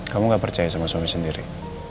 kamu gak percaya sama suami sendiri